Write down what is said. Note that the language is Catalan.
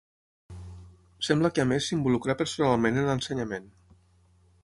Sembla que a més s'involucrà personalment en l'ensenyament.